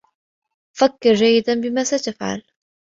فكّر جيّدا بما ستفعل.